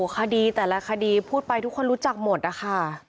คดีแต่ละคดีพูดไปทุกคนรู้จักหมดนะคะ